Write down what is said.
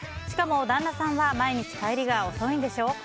しかも旦那さんは毎日帰りが遅いんでしょ？